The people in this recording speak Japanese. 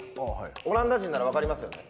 オランダ人なら分かりますよね。